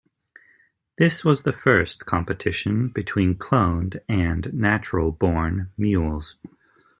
This was the first competition between cloned and natural-born mules.